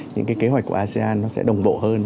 những cái kế hoạch của asean nó sẽ đồng bộ hơn